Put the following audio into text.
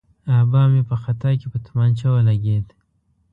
آبا مې په خطا کې په تومانچه ولګېد.